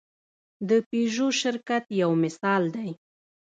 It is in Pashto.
د پيژو شرکت یو مثال دی.